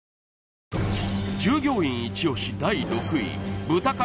従業員イチ押し第６位豚辛